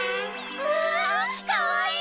うわかわいい！